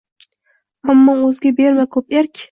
Ammo o’zga berma ko’p erk